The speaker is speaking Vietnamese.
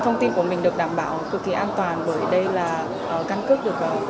thông tin của mình được đảm bảo cực kỳ an toàn bởi vì đây là căn cước được